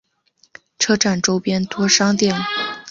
车站周边多商店。